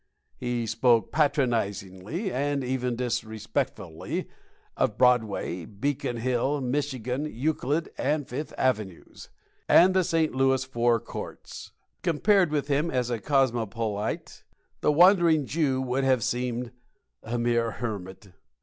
He spoke patronizingly and even disrespectfully of Broadway, Beacon Hill, Michigan, Euclid, and Fifth avenues, and the St. Louis Four Courts. Compared with him as a cosmopolite, the Wandering Jew would have seemed a mere hermit.